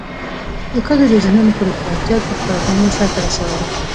د ښځو د ذهنونو په روښانتیا کې خپله دنده سرته رسولې.